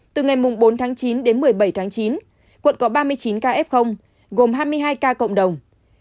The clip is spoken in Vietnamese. từ ngày bốn tháng chín đến một mươi bảy tháng chín quận có ba mươi chín ca f gồm hai mươi hai ca cộng đồng